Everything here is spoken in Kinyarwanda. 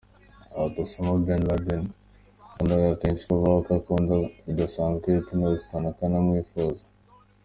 Ati “Osama Ben Laden yakundaga kenshi kuvuga ko akunda bidasanzwe Whitney Houston akanamwifuza.